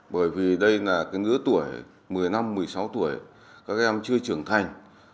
bởi vì đây là cái lứa tuổi một mươi năm một mươi sáu tuổi các em chưa trưởng thành